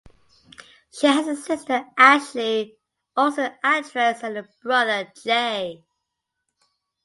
She has a sister, Ashley, also an actress, and a brother, Jay.